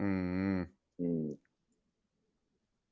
อืม